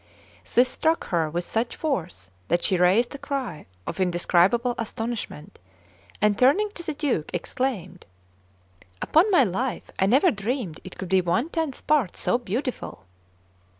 This struck her with such force that she raised a cry of indescribable astonishment, and turning to the Duke, exclaimed: "Upon my life, I never dreamed it could be one tenth part so beautiful!"